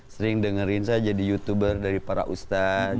sering dengerin saya jadi youtuber dari para ustadz